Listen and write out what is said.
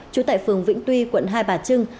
chú tại phường vĩnh tuy quận hai bà trưng